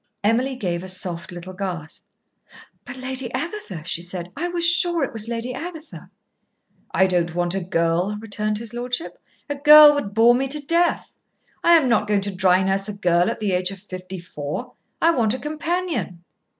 Emily gave a soft little gasp. "But Lady Agatha," she said. "I was sure it was Lady Agatha." "I don't want a girl," returned his lordship. "A girl would bore me to death. I am not going to dry nurse a girl at the age of fifty four. I want a companion."